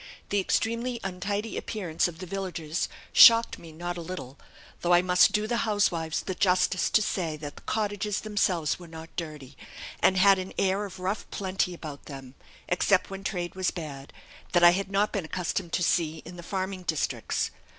The extremely untidy appearance of the villagers shocked me not a little, though I must do the housewives the justice to say that the cottages themselves were not dirty, and had an air of rough plenty about them (except when trade was bad), that I had not been accustomed to see in the farming districts.